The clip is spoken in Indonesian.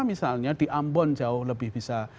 misalnya di ambon jauh lebih bisa